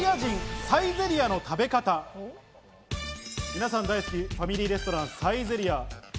皆さん大好きファミリーレストラン、サイゼリヤ。